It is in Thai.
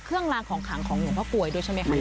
เครื่องล่างของขังของเหนียวพระกว่ายด้วยใช่ไหมค่ะ